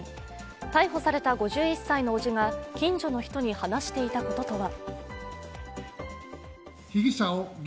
逮捕された５１歳の伯父が近所の人に話していたこととは。